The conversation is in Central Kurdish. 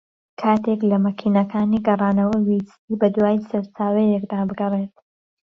کاتێک لە مەکینەکانی گەڕانەوە ویستی بە دووای سەرچاوەیەکدا بگەڕێت